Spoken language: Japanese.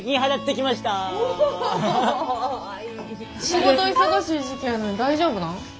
仕事忙しい時期やのに大丈夫なん？